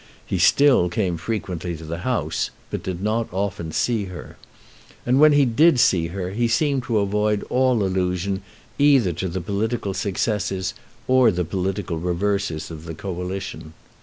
He still came frequently to the house, but did not often see her. And when he did see her he seemed to avoid all allusion either to the political successes or the political reverses of the Coalition.